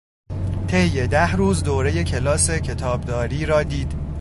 طی ده روز دورهٔ کلاس کتابداری را دید.